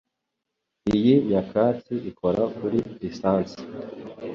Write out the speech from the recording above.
Iyi nyakatsi ikora kuri lisansi. .